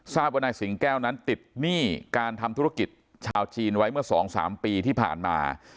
ทราบว่านายสิงแก้วนั้นติดหนี้การทำธุรกิจชาวจีนไว้เมื่อ๒๓ปีที่ผ่านมา